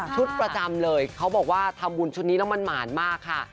ประจำเลยเขาบอกว่าทำบุญชุดนี้แล้วมันหมานมากค่ะ